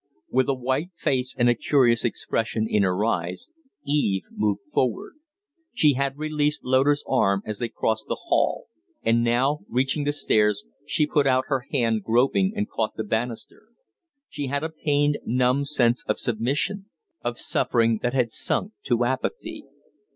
With a white face and a curious expression in her eyes, Eve moved forward. She had released Loder's arm as they crossed the hall; and now, reaching the stairs, she put out her hand gropingly and caught the banister. She had a pained, numb sense of submission of suffering that had sunk to apathy.